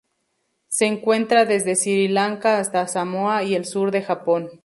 Se encuentra desde Sri Lanka hasta Samoa y el sur del Japón.